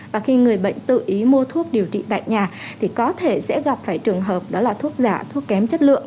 và khi người bệnh tự ý mua thuốc điều trị tại nhà thì có thể sẽ gặp phải trường hợp đó là thuốc giả thuốc kém chất lượng